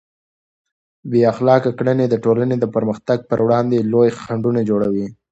بې اخلاقه کړنې د ټولنې د پرمختګ پر وړاندې لوی خنډونه جوړوي.